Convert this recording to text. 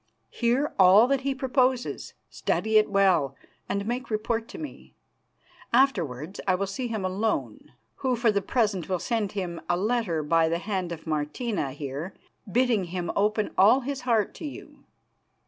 Hear all that he proposes, study it well, and make report to me. Afterwards I will see him alone, who for the present will send him a letter by the hand of Martina here bidding him open all his heart to you.